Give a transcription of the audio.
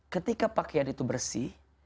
ketika pakaian itu bersih